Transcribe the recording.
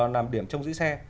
làm điểm trong giữ xe